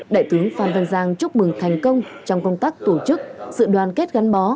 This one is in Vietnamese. đại tướng phan văn giang chúc mừng thành công trong công tác tổ chức sự đoàn kết gắn bó